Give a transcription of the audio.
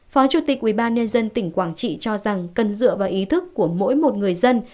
phó chủ tịch ubnd tỉnh quảng trị cho rằng cần dựa vào ý thức của mỗi một người dân